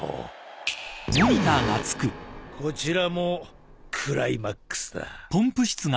こちらもクライマックスだ。